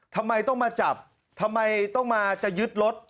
ทำไมต้องมาจับทำไมต้องมาจะยึดรถ